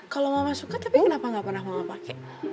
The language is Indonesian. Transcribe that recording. kalau mama suka tapi kenapa nggak pernah mama pakai